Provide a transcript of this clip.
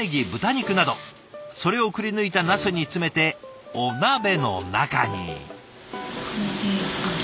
それをくりぬいたナスに詰めてお鍋の中に。